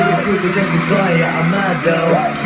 เยี่ยมมาก